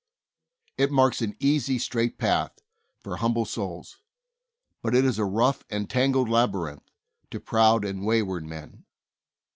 It marks an easy, straight path for hum ble souls, but it is a rough and tangled labyrinth to proud and wayward men.